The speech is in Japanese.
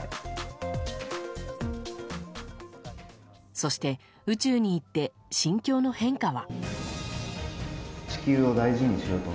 そして、宇宙に行って心境の変化は。